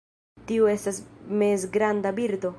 Tiu estas mezgranda birdo.